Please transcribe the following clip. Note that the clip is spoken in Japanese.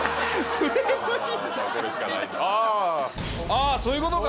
ああそういうことか！